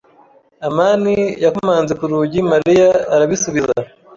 amani yakomanze ku rugi Mariya arabisubiza.